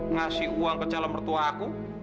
ngasih uang ke calon mertua aku